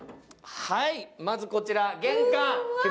まずこちら玄関。